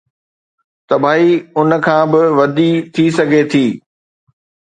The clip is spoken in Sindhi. تباهي ان کان به وڏي ٿي سگهي ٿي.